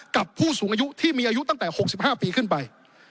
ผู้สูงอายุที่มีอายุตั้งแต่๖๕ปีขึ้นไป